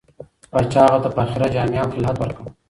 پاچا هغه ته فاخره جامې او خلعت ورکړ.